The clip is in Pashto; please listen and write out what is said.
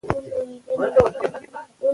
که پام ورکړل سي، زده کوونکي خنډونه له منځه وړي.